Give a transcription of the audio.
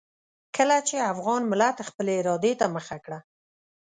کله چې افغان ملت خپلې ارادې ته مخه کړه.